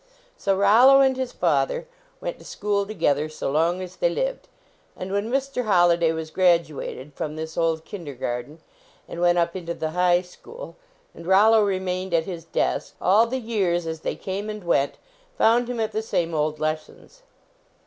So Rollo and his father went to school 117 LEARNING TO LEARN together, so long as they lived, and when Mr. Holliday was graduated from this old kinder garten and went up into the high school, and Rollo remained at his desk, all the years as they came and went found him at the same old lessons.